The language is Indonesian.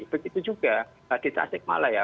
begitu juga di tasik malaya